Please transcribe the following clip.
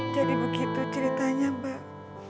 jadi begitu ceritanya mbak